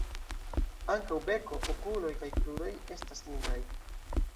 Ankaŭ beko, okuloj kaj kruroj estas nigraj.